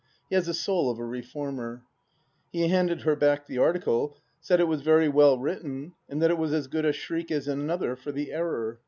He has the soul of a reformer. ... He handed her back the article, said it was very well written, and that it was as good a shriek as another for the Error.